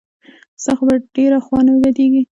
ستا خو به ډېره خوا نه بدېږي.